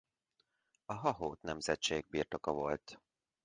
A Hahót nemzetség birtoka volt.